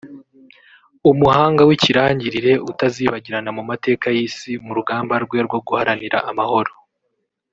umuhanga w’ ikirangirire utazibagirana mu mateka y’isi mu rugamba rwe rwo guharanira amahoro